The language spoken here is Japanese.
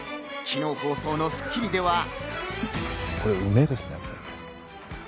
昨日放送の『スッキリ』では。